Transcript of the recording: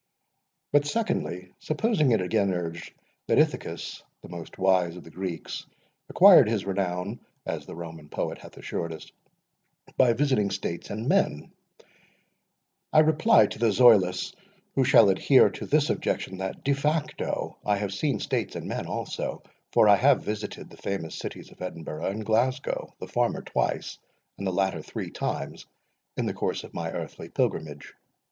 But, secondly, supposing it again urged, that Ithacus, the most wise of the Greeks, acquired his renown, as the Roman poet hath assured us, by visiting states and men, I reply to the Zoilus who shall adhere to this objection, that, DE FACTO, I have seen states and men also; for I have visited the famous cities of Edinburgh and Glasgow, the former twice, and the latter three times, in the course of my earthly pilgrimage.